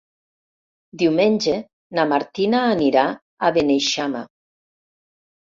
Diumenge na Martina anirà a Beneixama.